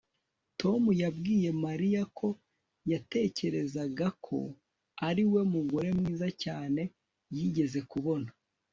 tom yabwiye mariya ko yatekerezaga ko ari we mugore mwiza cyane yigeze kubona